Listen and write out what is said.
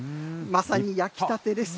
まさに焼きたてです。